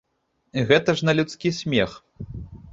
Гэта ж на людскі смех.